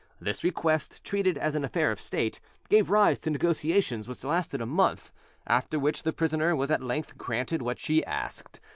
This request, treated as an affair of state, gave rise to negotiations which lasted a month, after which the prisoner was at length granted what she asked.